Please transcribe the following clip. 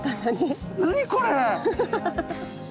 何これ！